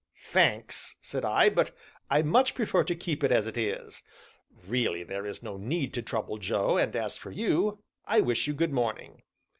"Thanks," said I, "but I much prefer to keep it as it is; really there is no need to trouble Joe, and as for you, I wish you good morning!"